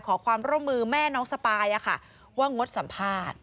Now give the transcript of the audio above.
ขอความร่วมมือแม่น้องสปายว่างดสัมภาษณ์